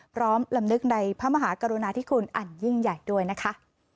พร้อมลำนึกในพระมหากรณาที่คุณอันยิ่งใหญ่ด้วยนะคะ